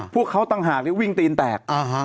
พวกเขาต่างหากวิ่งตีนแตก